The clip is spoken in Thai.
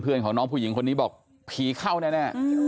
เพื่อนของน้องผู้หญิงคนนี้บอกผีเข้าแน่